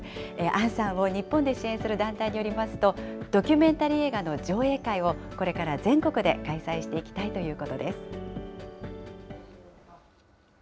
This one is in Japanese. アンさんを日本で支援する団体によりますと、ドキュメンタリー映画の上映会を、これから全国で開催していきたいということです。